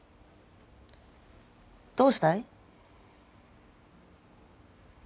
どうしたい？